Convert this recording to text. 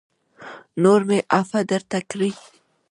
نور مې عفوه درته کړې